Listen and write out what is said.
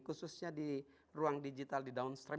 khususnya di ruang digital di downstream